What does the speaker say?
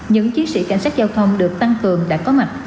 những chiến sĩ cảnh sát giao thông được tăng cường đã có mặt